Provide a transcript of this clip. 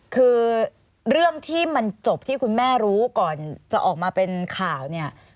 คือเรื่องที่มันจบที่คุณแม่รู้ก่อนจะออกมาเป็นข่าวเนี่ย